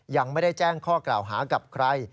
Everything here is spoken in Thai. ยังไม่ได้แจ้งข้อกล่าวหากับใคร